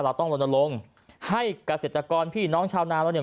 เราต้องลนลงให้เกษตรกรพี่น้องชาวนาเราเนี่ย